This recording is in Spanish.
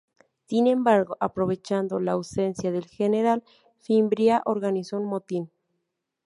Sin embargo, aprovechando la ausencia del general, Fimbria organizó un motín.